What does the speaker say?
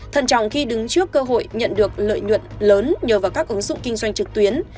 thân trọng khi đứng trước cơ hội nhận được lợi nhuận lớn nhờ vào các ứng dụng kinh doanh trực tuyến